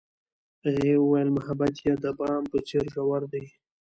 هغې وویل محبت یې د بام په څېر ژور دی.